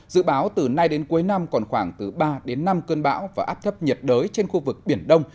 dự báo từ nay đến cuối năm còn khoảng từ ba đến năm cơn bão và áp thấp nhiệt đới trên khu vực biển đông